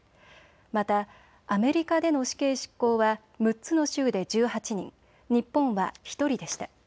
またアメリカでの死刑執行は６つの州で１８人、日本は１人でした。